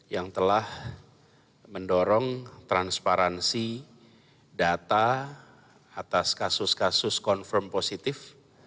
yang telah mendorong transparansi data atas kasus kasus confirm positif